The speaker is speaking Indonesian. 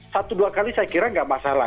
satu dua kali saya kira nggak masalah